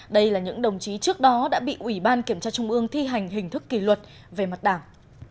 đây là những đồng chí trước đó đã bị ủy ban kiểm tra trung ương thi hành hình thức kỷ luật về mặt đảng